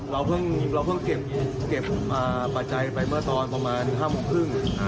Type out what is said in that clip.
เราเพิ่งเก็บปัจจัยไปเมื่อตอนประมาณ๕โมงครึ่ง